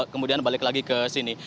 kemudian balik lagi ke sini